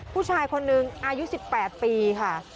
ผู้ชายคนนึงอายุ๑๘ปีค่ะ